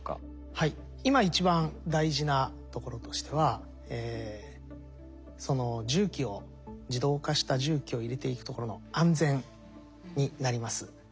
はい今一番大事なところとしてはその重機を自動化した重機を入れていくところの安全になります。